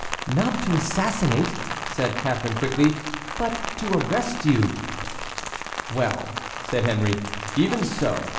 "Not to assassinate," said Catharine, quickly, "but to arrest you." "Well," said Henry, "even so.